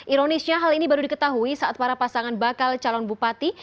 ironisnya hal ini baru diketahui saat para pasangan bakal calon bupati